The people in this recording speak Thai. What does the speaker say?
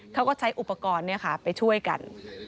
เขาก็ใช้อุปกรณ์ไปช่วยกัน